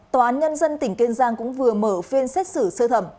tòa án nhân dân tỉnh kiên giang cũng vừa mở phiên xét xử sơ thẩm